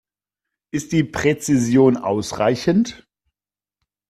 Ist die Präzision ausreichend?